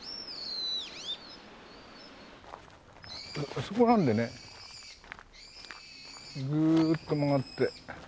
あそこなんでねずっと曲がって。